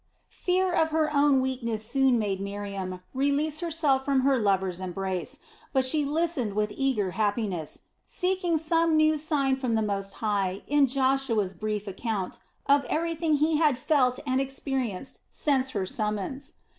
Fear of her own weakness soon made Miriam release herself from her lover's embrace, but she listened with eager happiness, seeking some new sign from the Most High in Joshua's brief account of everything he had felt and experienced since her summons.